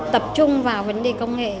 tập trung vào vấn đề công nghệ